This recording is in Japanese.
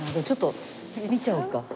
ちょっと見ちゃおうか。